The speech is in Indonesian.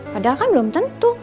padahal kan belum tentu